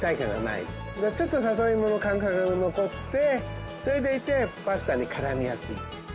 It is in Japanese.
ちょっと里いもの感覚が残ってそれでいてパスタに絡みやすい。